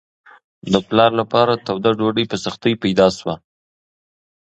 د پلار لپاره توده ډوډۍ په سختۍ پیدا شوه.